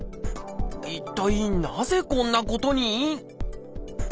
一体なぜこんなことに？